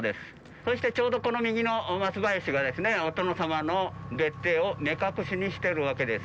そして、ちょうどこの右の松林がですね、お殿様の別邸を目隠しにしてるわけです。